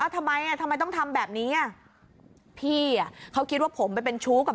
ทำไมทำไมต้องทำแบบนี้อ่ะพี่อ่ะเขาคิดว่าผมไปเป็นชู้กับ